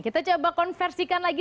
kita coba konversikan lagi